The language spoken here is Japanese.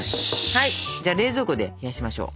はいじゃあ冷蔵庫で冷やしましょう。